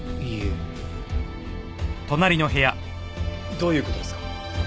どういう事ですか？